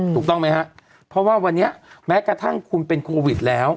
ถูกต้องไหมครับเพราะว่าวันนี้แม้กระทั่งคุณเป็นโควิดแล้ว